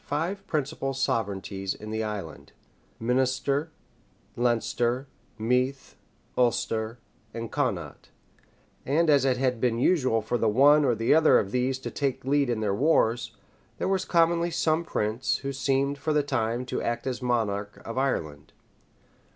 five principal sovereignties in the island, Minister, Leinster Meath, Ulster, and Connaught; and as it had been usual for the one or the other of these to take the lead in their wars, there was commonly some prince, who seemed, for the time, to act as monarch of Ireland.